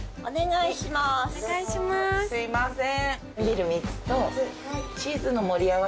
すいません。